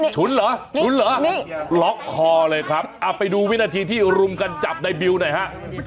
ฉุนเหรอฉุนเหรอล็อกคอเลยครับเอาไปดูวินาทีที่รุมกันจับในบิวหน่อยฮะ